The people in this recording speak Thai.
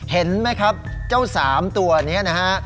เห็นไหมครับเจ้าสามตัวนี้นะฮะ